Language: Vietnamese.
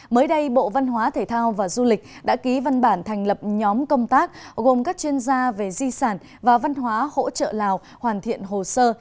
mới đây bộ văn hóa thể thao và du lịch đã ký văn bản thành lập nhóm công tác gồm các chuyên gia về di sản và văn hóa hỗ trợ lào hoàn thiện hồ sơ